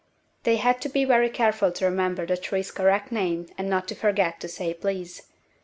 They had to be very careful to remember the tree's correct name and not to forget to say "please."